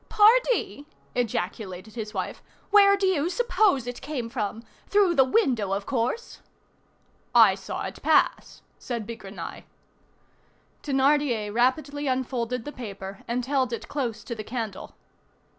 "Pardie!" ejaculated his wife, "where do you suppose it came from? Through the window, of course." "I saw it pass," said Bigrenaille. Thénardier rapidly unfolded the paper and held it close to the candle.